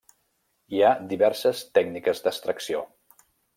Hi ha diverses tècniques d'extracció.